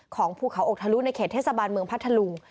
ภูเขาอกทะลุในเขตเทศบาลเมืองพัทธลุง